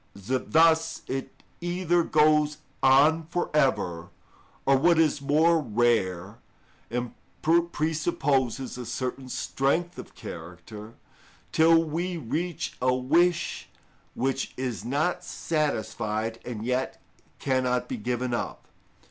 1095. Thus it either goes on for ever, or, what is more rare and presupposes a certain strength of character, till we reach a wish which is not satisfied and yet cannot be given up.